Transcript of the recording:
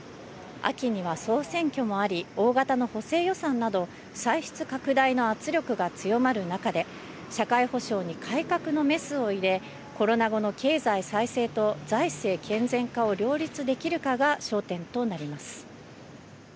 秋には総選挙もあり、大型の補正予算など歳出拡大の圧力が強まる中で社会保障に改革のメスを入れ、コロナ後の経済再生と財政健全化を両立できるかが焦点となります。